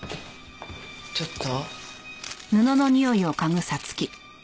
ちょっと。